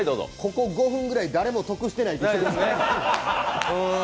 ここ、５分ぐらい誰も得してないです。